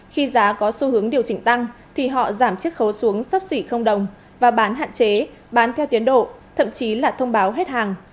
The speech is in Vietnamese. khi giá có xu hướng điều chỉnh tăng thì họ giảm chiếc khấu xuống sắp xỉ đồng và bán hạn chế bán theo tiến độ thậm chí là thông báo hết hàng